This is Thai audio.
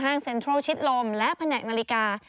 เซ็นทรัลชิดลมและแผนกนาฬิกา